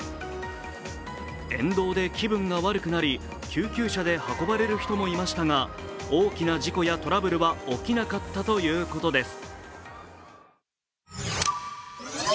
沿道で気分が悪くなり救急車で運ばれる人もいましたが、大きな事故やトラブルは起きなかったということです。